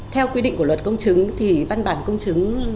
theo quy định của luật công chứng